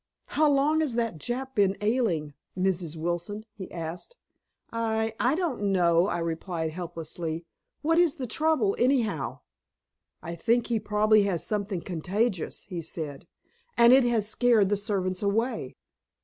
"How long has that Jap been ailing, Mrs. Wilson?" he asked. "I I don't know," I replied helplessly. "What is the trouble, anyhow?" "I think he probably has something contagious," he said, "and it has scared the servants away.